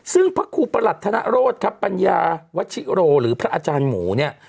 ซึ่งพระครูประหลัดธนโรธครับปัญญาวัชิโรหรือพระอาจารย์หมูเนี่ย